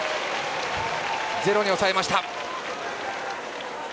０に抑えました。